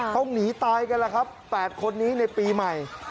ต้องหนีตายกันล่ะครับ๘คนนี้ในปีใหม่